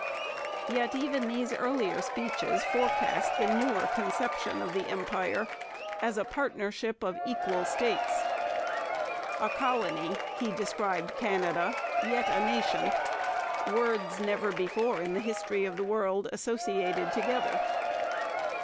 Yet even these earlier speeches forecast the newer conception of the Empire as a partnership of equal states. 'A colony,' he described Canada, 'yet a nation words never before in the history of the world associated together.'